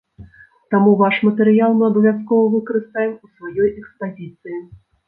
Таму ваш матэрыял мы абавязкова выкарыстаем у сваёй экспазіцыі.